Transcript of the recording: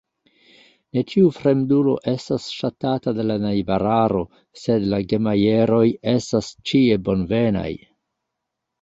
Ne ĉiu fremdulo estas ŝatata de la najbararo, sed la Gemajeroj estas ĉie bonvenaj.